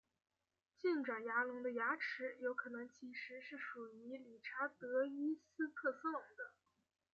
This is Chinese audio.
近爪牙龙的牙齿有可能其实是属于理查德伊斯特斯龙的。